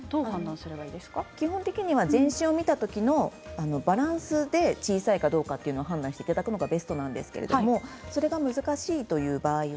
基本的には全身を見た時のバランスで小さいかどうか判断していただくのがベストなんですがそれが難しい場合は